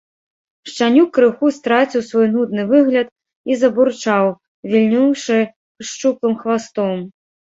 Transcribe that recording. Шчанюк крыху страціў свой нудны выгляд і забурчаў, вільнуўшы шчуплым хвастом.